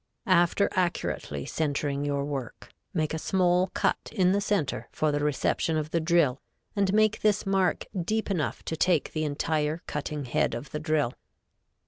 After accurately centering your work, make a small cut in the center for the reception of the drill and make this mark deep enough to take the entire cutting head of the drill.